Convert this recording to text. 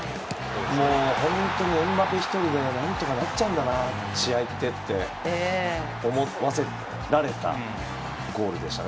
本当にエムバペ１人でなんとかなっちゃうんだな試合ってって思わせられたゴールでしたね。